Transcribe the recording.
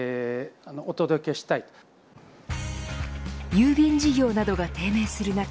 郵便事業などが低迷する中